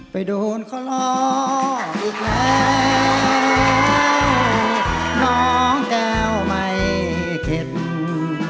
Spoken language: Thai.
ไปโดนเขารออีกแล้วน้องแก้วไม่เข็ด